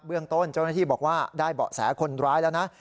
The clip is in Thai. เรื่องต้นเจ้าหน้าที่บอกว่าได้เบาะแสคนร้ายแล้วนะ